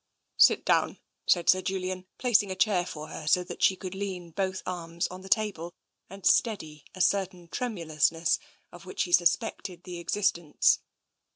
" Sit down," said Sir Julian, placing a chair for her, so that she could lean both arms on the table, and steady a certain tremulousness of which he suspected the existence.